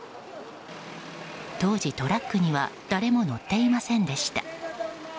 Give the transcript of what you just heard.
当時、トラックには誰も乗っていませんでした。